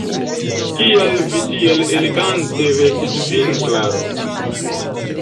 Kial vi tiel elegante vestis vin, Klaro?